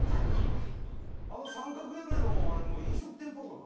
あの三角屋根のあれもう飲食店っぽくない？